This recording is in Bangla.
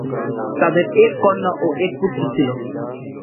তাদের এক কন্যা ও এক পুত্র ছিল।